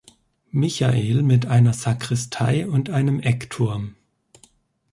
Michael mit einer Sakristei und einem Eckturm.